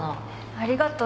ありがとう。